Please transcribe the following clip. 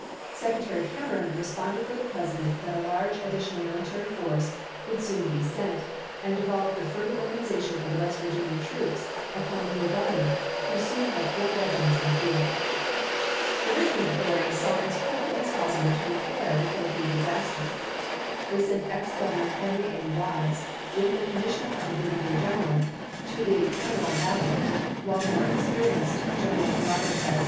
Secretary Cam eron responded for the President that a large additional military force would soon be sent, and devolved the further organization of West Virginia troops upon the new Governor, who soon had four regiments in the field. The Richmond authorities sought as quickly as possible to repair the Philippi disaster. They sent ex Governor Henry A. Wise with the commission of a brigadier general to the Kanawha Valley; while the more experienced General Robert S.